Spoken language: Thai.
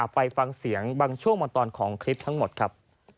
ไปฟังเสียงบางช่วงบางตอนของคลิปทั้งหมดครับ